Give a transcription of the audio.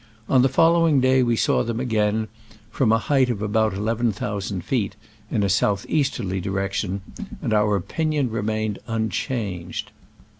On the follow ing day we saw them again, from a height of about eleven thousand feet, in a south easterly direction, and our opin ion remained unchanged.